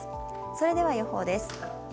それでは予報です。